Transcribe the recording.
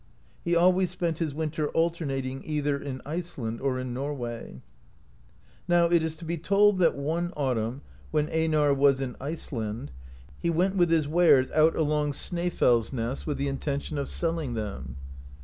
He always spent his winter alter nately either in Iceland or in Norway. Now it is to be told that one autumn, when Einar was in Iceland, he went with his wares out along Snaefells 32 THE STORY OF THORBIORN ness, with the intention of selling them.